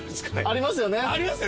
ありますよね？